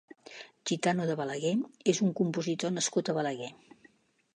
Gitano de Balaguer és un compositor nascut a Balaguer.